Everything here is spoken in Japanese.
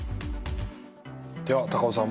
では高尾さん